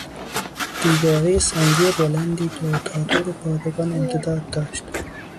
دیوارهی سنگی بلندی دور تا دور پادگان امتداد داشت.